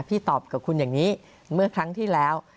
ตอบกับคุณอย่างนี้เมื่อครั้งที่แล้ว